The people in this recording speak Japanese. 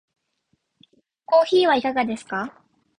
コーヒーはいかがですか？